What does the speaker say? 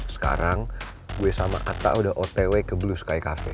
sekarang gue sama atta udah otw ke blue sky cafe